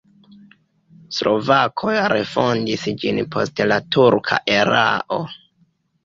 Slovakoj refondis ĝin post la turka erao.